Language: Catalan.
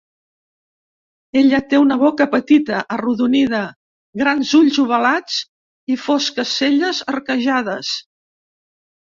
Ella té una boca petita arrodonida, grans ulls ovalats i fosques celles arquejades.